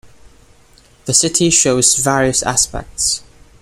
The city shows various aspects.